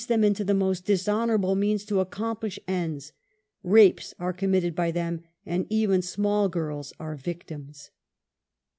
9^ them into the most dishonorable means to accomj)lish ends. Rapes are committed by them and even small girls are victims.